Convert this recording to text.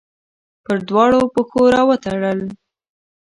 پر دواړو پښو راوتړل